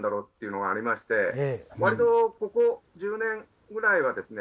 割とここ１０年ぐらいはですね